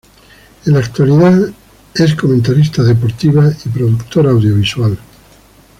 En la actualidad es comentarista deportiva y productora audiovisual.